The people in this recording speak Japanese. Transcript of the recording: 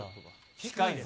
近いです。